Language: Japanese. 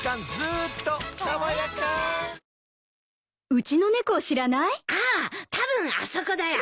うちの猫を知らない？ああたぶんあそこだよ。